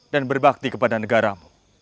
dan berbakti kepada negaramu